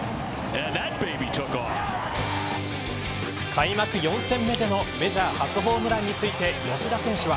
開幕４戦目でのメジャー初ホームランについて吉田選手は。